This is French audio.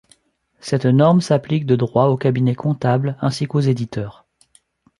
Cette norme s’applique de droit aux cabinets comptables ainsi qu’aux éditeurs.